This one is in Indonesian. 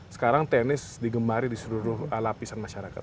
sekarang tenis digemari di seluruh lapisan masyarakat